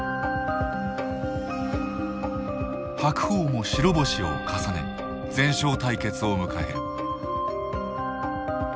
白鵬も白星を重ね全勝対決を迎える。